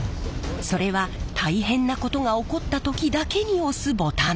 それは大変なことが起こった時だけに押すボタン。